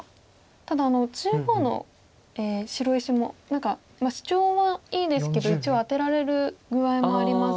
ただ中央の白石も何かシチョウはいいですけど一応アテられる具合もありますよね。